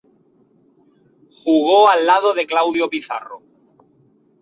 Jugó al lado de Claudio Pizarro.